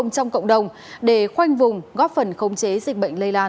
trong cộng đồng để khoanh vùng góp phần khống chế dịch bệnh lây lan